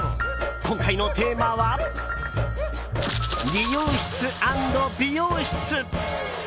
今回のテーマは理容室＆美容室！